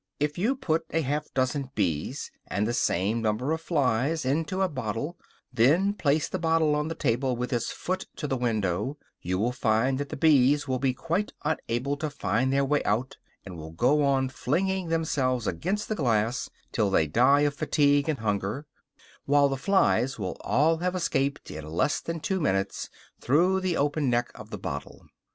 If you put half a dozen bees, and the same number of flies into a bottle, then place the bottle on the table with its foot to the window, you will find that the bees will be quite unable to find their way out, and will go on flinging themselves against the glass, till they die of fatigue and hunger; while the flies will all have escaped, in less than two minutes, through the open neck of the bottle.